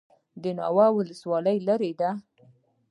د ناوه ولسوالۍ لیرې ده